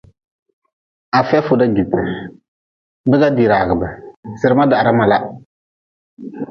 Afia fuda jite, biga dira hagʼbe, sirma dahra mala.